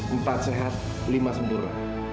empat sehat lima sempurna